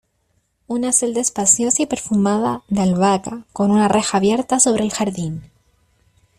una celda espaciosa y perfumada de albahaca, con una reja abierta sobre el jardín ,